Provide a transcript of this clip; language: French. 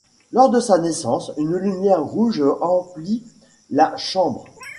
Lors de sa naissance une lumière rouge emplit la chambre.